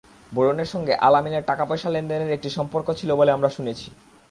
বরুণের সঙ্গে আল-আমিনের টাকাপয়সা লেনদেনের একটি সম্পর্ক ছিল বলে আমরা শুনেছি।